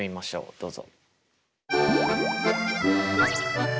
どうぞ。